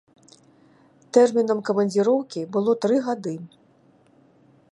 Тэрмінам камандзіроўкі было тры гады.